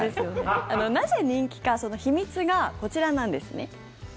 なぜ人気かその秘密がこちらなんですね。